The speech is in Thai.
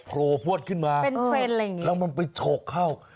โผล่พวดขึ้นมาเป็นเทรนด์อะไรอย่างนี้แล้วมันไปฉกเข้า